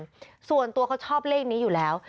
ส่วนตัวเขาชอบเลขนี้อยู่แล้ว